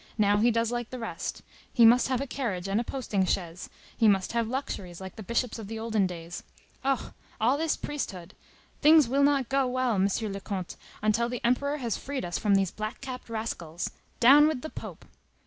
Now he does like the rest; he must have a carriage and a posting chaise, he must have luxuries, like the bishops of the olden days. Oh, all this priesthood! Things will not go well, M. le Comte, until the Emperor has freed us from these black capped rascals. Down with the Pope!